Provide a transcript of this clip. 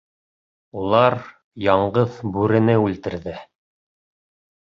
Улар Яңғыҙ Бүрене үлтерҙе.